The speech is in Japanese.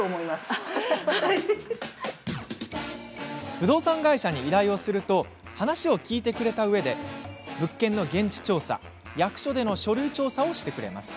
不動産会社に依頼をすると話を聞いてくれたうえで物件の現地調査役所での書類調査をしてくれます。